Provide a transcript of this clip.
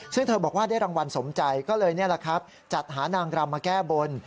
ซึ่งเธอบอกว่าได้รางวัลสมใจก็เลยนี่แหละครับจัดหานางรำมาแก้บน